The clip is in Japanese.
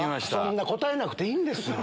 答えなくていいんですよ